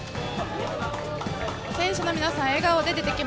選手の皆さん、笑顔で出てき